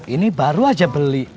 ini baru aja beli